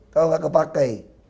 kalau gak kepake